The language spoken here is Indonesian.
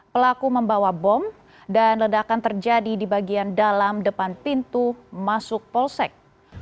pelaku membawa bom dan ledakan terjadi di bagian dalam depan pintu masuk polsek